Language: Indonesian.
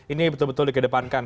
ini betul betul di kedepankan